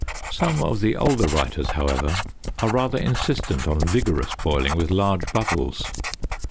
Some of the older writers, however, are rather insistent on vigorous boiling with large bubbles.